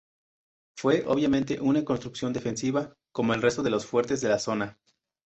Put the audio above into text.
Fue obviamente una construcción defensiva, como el resto de fuertes de la zona.